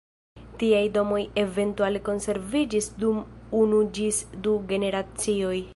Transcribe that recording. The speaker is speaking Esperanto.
Tiaj domoj eventuale konserviĝis dum unu ĝis du generacioj.